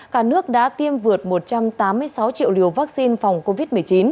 cả nước đã tiêm vượt một trăm tám mươi sáu triệu liều vaccine phòng covid một mươi chín